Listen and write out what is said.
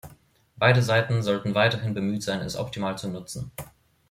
Beide Seiten sollten weiterhin bemüht sein, es optimal zu nutzen.